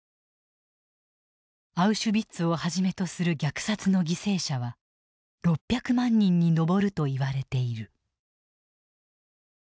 アウシュビッツをはじめとする虐殺の犠牲者は６００万人に上るといわれている。